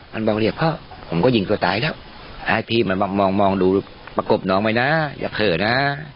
มันบอกพ่อผมก็หญิงตัวตายแล้วให้พี่มามองมองดูประกบน้องไว้นะอย่าเผลอนะ